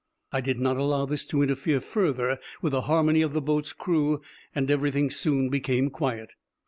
I did not allow this to interfere further with the harmony of the boat's crew and everything soon became quiet.